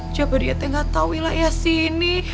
jabar dia teh gak tau wilayah sini